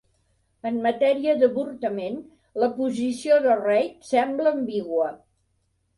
En matèria d'avortament, la posició de Reid sembla ambigua.